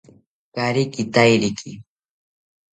Kaari kitairiki